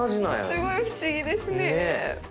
すごい不思議ですね。